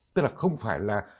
tức là không phải là